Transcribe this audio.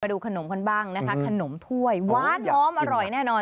ดูขนมกันบ้างนะคะขนมถ้วยหวานหอมอร่อยแน่นอน